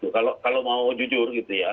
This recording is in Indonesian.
kalau mau jujur gitu ya